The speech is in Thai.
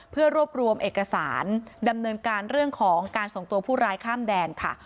เพื่อรวบรวมเอกสารดำเนินการเรื่องของการส่งตัวผู้ร้ายข้ามแดนค่ะ